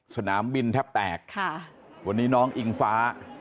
สนามบินแทบแตกค่ะวันนี้น้องอิงฟ้า